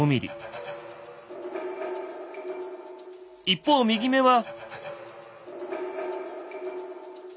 一方右目は。